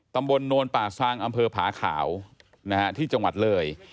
ตำบลโนนป่าซางอพขาวที่จเหลย